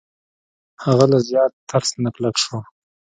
هغه له زیات ترس نه کلک شو.